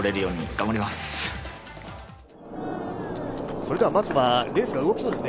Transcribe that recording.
それではまずはレースが動きそうですね